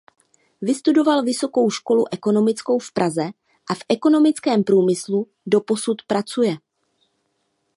Vystudoval Vysokou školu ekonomickou v Praze a v ekonomickém průmyslu doposud pracuje.